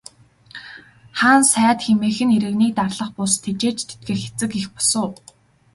Хаан сайд хэмээх нь иргэнийг дарлах бус, тэжээж тэтгэх эцэг эх бус уу.